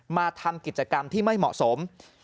มาทำกิจกรรมที่ไม่เหมาะสม